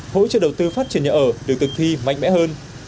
hỗ trợ đầu tư phát triển nhà ở được thực thi mạnh mẽ hơn